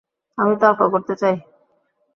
আমি তর্ক করতে চাই?